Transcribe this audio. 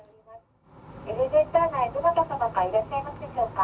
エレベーター内、どなたかいらっしゃいますでしょうか。